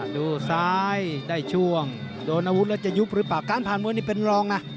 ดูซ้ายได้ช่วงโดนอาวุธแล้วจะยุบหรือเปล่าการผ่านมวยนี่เป็นรองนะ